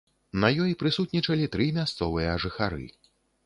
На ёй прысутнічалі тры мясцовыя жыхары.